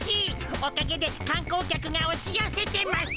おかげでかん光客がおしよせてます！